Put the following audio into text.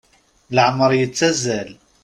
Leɛmer yettazzal.